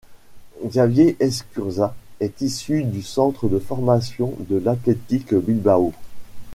Xabier Eskurza est issu du centre de formation de l'Athletic Bilbao.